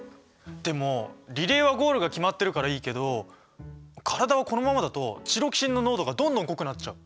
でもリレーはゴールが決まってるからいいけど体はこのままだとチロキシンの濃度がどんどん濃くなっちゃう。